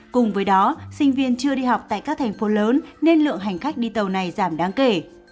cùng với đó sinh viên chưa đi học tại các thành phố lớn nên lượng hành khách đi tàu này giảm đáng kể